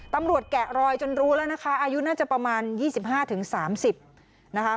แกะรอยจนรู้แล้วนะคะอายุน่าจะประมาณ๒๕๓๐นะคะ